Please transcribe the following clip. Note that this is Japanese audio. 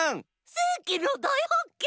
せいきのだいはっけん！